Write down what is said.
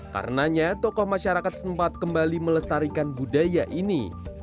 karenanya tokoh masyarakat sempat kembali melestarikan budaya ini